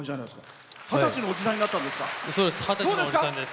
二十歳のおじさんになったんですか。